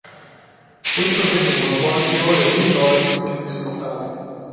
Richard Whiting was born in Peoria, Illinois, into a musical family.